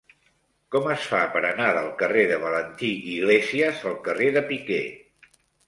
Com es fa per anar del carrer de Valentí Iglésias al carrer de Piquer?